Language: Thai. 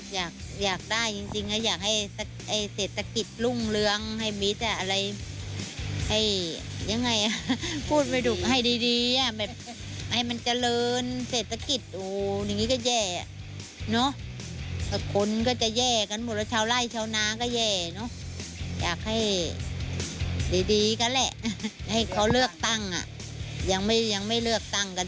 อยากได้จริงอยากให้เศรษฐกิจรุ่งเรืองให้มีแต่อะไร